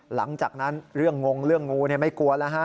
หลังจากนั้นเรื่องงงเรื่องงูไม่กลัวแล้วฮะ